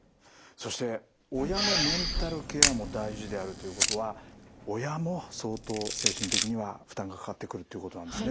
そして「親のメンタルケアも大事」であるということは親も相当精神的には負担がかかってくるっていうことなんですね。